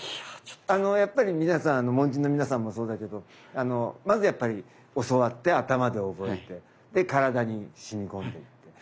やっぱり皆さん門人の皆さんもそうだけどまずやっぱり教わって頭で覚えてで体に染み込んでいって。